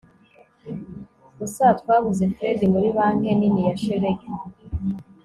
gusa twabuze fred muri banki nini ya shelegi